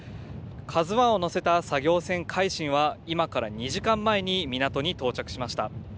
ＫＡＺＵＩを載せた作業船海進は、今から２時間前に港に到着しました。